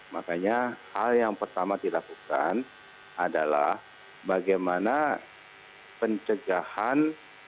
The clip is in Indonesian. makanya hal yang pertama dilakukan adalah bagaimana pencegahan